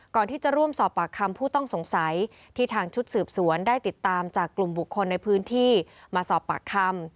ก่อนที่จะร่วมสอบปากคำผู้ต้องสงสัยที่ทางชุดสืบสวนได้ติดตามจากกลุ่มบุคคลในพื้นที่มาสอบปากคำ